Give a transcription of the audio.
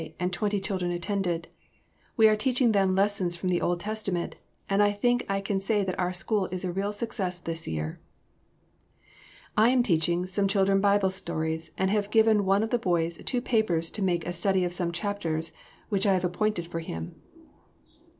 and twenty children attend. We are teaching them lessons from the Old Testament, and I think I can say that our school is a real success this year." "I am teaching some children Bible stories and have given one of the boys two papers to make a study of some chapters which I have appointed for him."